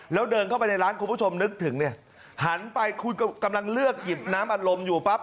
แล้วเดินเข้าไปในร้านคุณผู้ชมนึกถึงเนี่ยหันไปคุณกำลังเลือกหยิบน้ำอารมณ์อยู่ปั๊บ